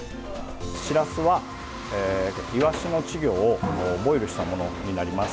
しらすは、いわしの稚魚をボイルしたものになります。